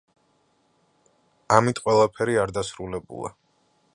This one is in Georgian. ამით ყველაფერი არ დასრულებულა.